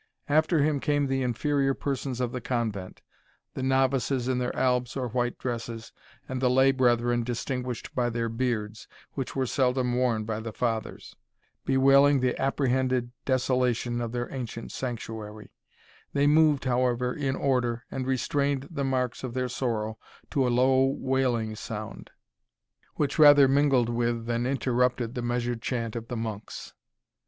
After him came the inferior persons of the convent; the novices in their albs or white dresses, and the lay brethren distinguished by their beards, which were seldom worn by the Fathers. Women and children, mixed with a few men, came in the rear, bewailing the apprehended desolation of their ancient sanctuary. They moved, however, in order, and restrained the marks of their sorrow to a low wailing sound, which rather mingled with than interrupted the measured chant of the monks.